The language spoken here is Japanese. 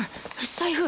財布！